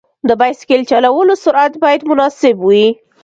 د بایسکل چلولو سرعت باید مناسب وي.